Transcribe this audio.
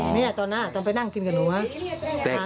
นี่ตอนนั้นตอนไปนั่งกินกับหนูวะ